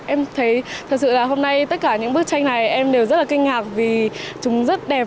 em thấy thật sự là hôm nay tất cả những bức tranh này em đều rất là kinh ngạc vì chúng rất đẹp